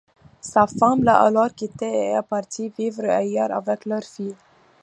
Sa femme l'a alors quitté et est partie vivre ailleurs avec leur fille.